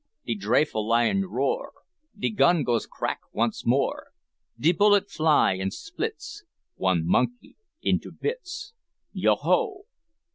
De drefful lion roar, De gun goes crack once more, De bullet fly an' splits One monkey into bits, Yo ho!